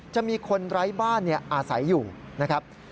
จะมีคนไร้บ้านอาศัยอยู่นะครับ